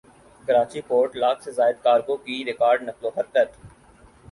Karachi port lakh سے زائد cargo کی ریکارڈ نقل وحرکت